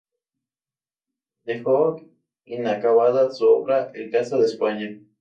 Dejó inacabada su obra "El caso de España".